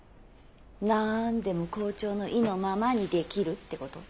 なんでも校長の意のままにできるってこと？